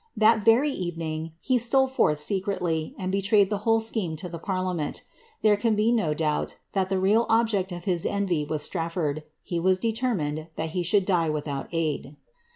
That very evening, he stole forth secretly, and betrayed the whole scheme to the parliament. There can be no doubt that the real object of his envy was Strafford ; he was determined that he should die without aid.